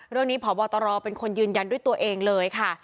เรื่องนี้ผอบอตรอเป็นคนยืนยันด้วยตัวเองเลยค่ะ